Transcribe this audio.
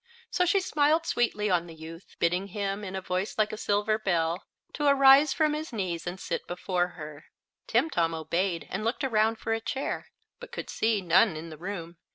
So she smiled sweetly on the youth, bidding him, in a voice like a silver bell, to arise from his knees and sit before her. Timtom obeyed and looked around for a chair, but could see none in the room.